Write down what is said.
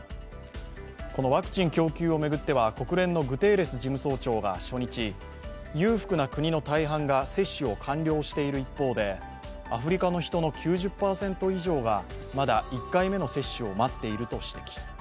このワクチン供給を巡っては国連のグテーレス事務総長が初日、裕福な国の大半が接種を完了している一方で、アフリカの人の９０％以上がまだ１回目の接種を待っていると指摘。